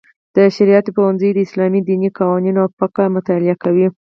د شرعیاتو پوهنځی د اسلامي دیني قوانینو او فقه مطالعه کوي.